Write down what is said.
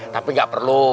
tapi gak perlu